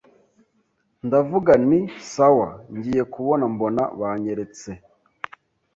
ndavuga nti sawa, ngiye kubona mbona banyeretse